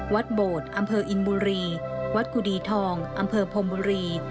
โบดอำเภออินบุรีวัดกุดีทองอำเภอพรมบุรี